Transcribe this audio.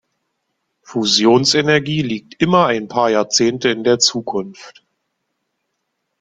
Fusionsenergie liegt immer ein paar Jahrzehnte in der Zukunft.